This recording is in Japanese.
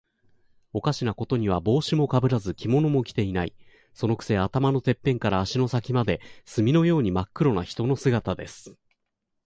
おかしなことには、帽子もかぶらず、着物も着ていない。そのくせ、頭のてっぺんから足の先まで、墨のようにまっ黒な人の姿です。